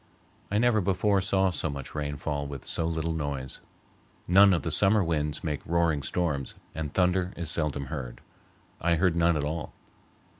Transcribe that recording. I never before saw so much rain fall with so little noise. None of the summer winds make roaring storms, and thunder is seldom heard. I heard none at all.